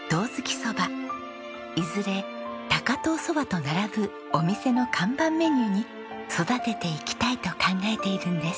いずれ高遠そばと並ぶお店の看板メニューに育てていきたいと考えているんです。